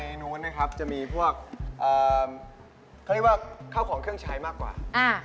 ในนู้นนะครับจะมีพวกเข้าของเครื่องใช้มากกว่า